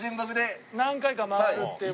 何回か回るっていう事。